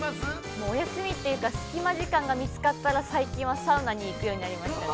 ◆もうお休みというか隙間時間が見つかったら最近はサウナに行くようになりましたね。